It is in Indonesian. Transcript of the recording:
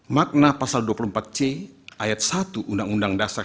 makna pasal dua puluh empat c ayat satu undang undang dasar seribu sembilan ratus empat puluh lima